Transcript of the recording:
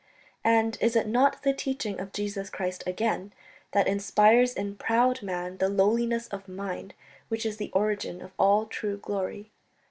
. and is it not the teaching of Jesus Christ again that inspires in proud man the lowliness of mind which is the origin of all true glory?